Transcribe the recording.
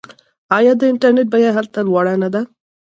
آیا د انټرنیټ بیه هلته لوړه نه ده؟